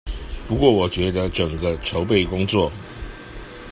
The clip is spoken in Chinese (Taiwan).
不過我覺得，整個籌備工作